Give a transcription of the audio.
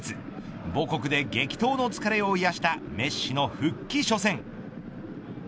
母国で、激闘の疲れを癒やしたメッシの復帰初戦。